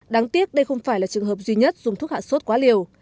đáng tiếc đây không phải là trường hợp duy nhất dùng thuốc hạ sốt quá liều